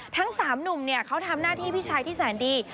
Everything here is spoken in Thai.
ทั้งสามหนุ่มเขาทำหน้าที่พี่ชายที่แสนดี